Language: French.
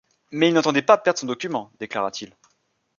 Mais il n’entendait pas perdre son document! déclara-t-il.